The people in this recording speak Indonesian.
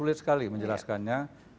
sulit sekali menjelaskannya